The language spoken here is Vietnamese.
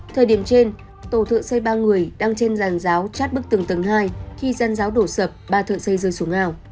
thời điểm trên tổ thượng xây ba người đang trên giàn giáo chát bức tường tầng hai khi giàn giáo đổ sập ba thượng xây rơi xuống ngào